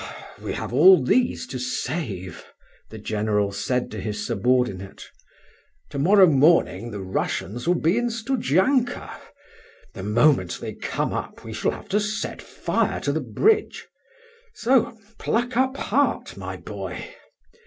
"We have all these to save," the General said to his subordinate. "To morrow morning the Russians will be in Studzianka. The moment they come up we shall have to set fire to the bridge; so pluck up heart, my boy!